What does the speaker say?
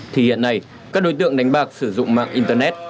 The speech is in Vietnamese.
thì hiện nay các đối tượng đánh bạc sử dụng mạng internet